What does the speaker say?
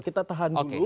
kita tahan dulu